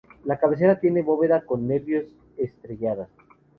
La cabecera tiene bóveda con nervios estrelladas.